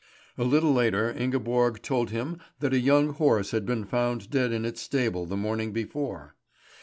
A little later Ingeborg told him that a young horse had been found dead in its stable the morning before.